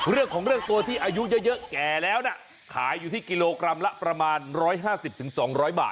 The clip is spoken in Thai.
เรื่องของเรื่องตัวที่อายุเยอะแก่แล้วนะขายอยู่ที่กิโลกรัมละประมาณ๑๕๐๒๐๐บาท